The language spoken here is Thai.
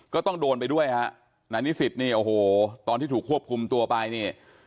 ก็ต้องโดนไปด้วยนายนิสิทธิ์ตอนที่ถูกควบคุมตัวไป